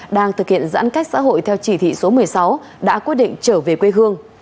đang thực hiện giãn cách xã hội theo chỉ thị số một mươi sáu đã quyết định trở về quê hương